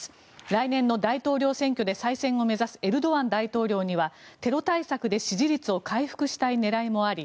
来年の大統領選挙で再選を目指すエルドアン大統領にはテロ対策で支持率を回復したい狙いもあり